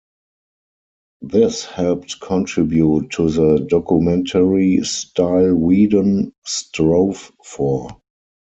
This helped contribute to the documentary style Whedon strove for.